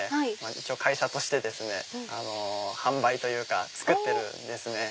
一応会社としてですね販売というか作ってるんですね。